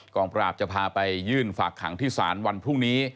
งปราบจะพาไปยื่นฝากขังที่ศาลวันพรุ่งนี้